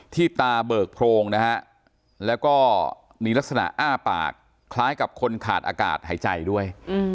ตาเบิกโพรงนะฮะแล้วก็มีลักษณะอ้าปากคล้ายกับคนขาดอากาศหายใจด้วย